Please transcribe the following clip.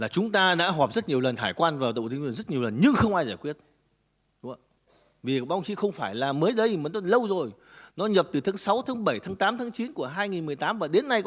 thủ tướng đã nghe các doanh nghiệp hội phản ánh rất nặng nề với việc này